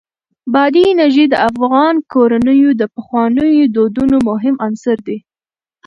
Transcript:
بادي انرژي د افغان کورنیو د پخوانیو دودونو مهم عنصر دی.